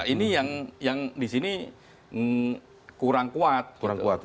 ini yang di sini kurang kuat